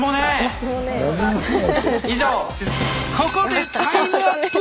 ここでタイムアップ！